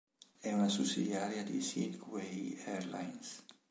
È una sussidiaria di Silk Way Airlines.